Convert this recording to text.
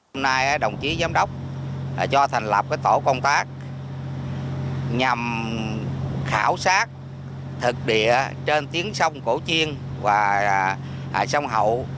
hôm nay đồng chí giám đốc cho thành lập tổ công tác nhằm khảo sát thực địa trên tiếng sông cổ chiên và sông hậu